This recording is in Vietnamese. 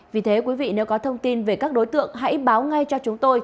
vì thế nếu có thông tin về các đối tượng hãy báo ngay cho chúng tôi